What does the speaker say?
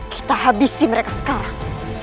kita habisi mereka sekarang